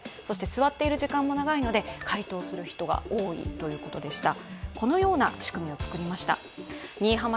座っている時間も長いので、回答する人が多いということでした。